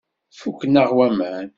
Fukken-aɣ waman.